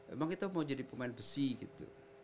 emang kita mau jadi pemain besi gitu